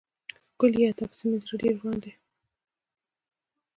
ښکليه تا پسې مې زړه ډير وران دی.